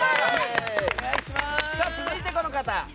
続いて、この方。